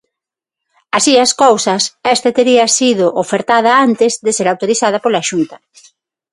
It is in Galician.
Así as cousas, esta tería sido ofertada antes de ser autorizada pola Xunta.